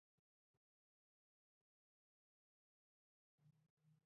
د سیاسي چارو شنونکي وایې دغه ډول چاري اوضاع د کرکېچ خواته بیایې.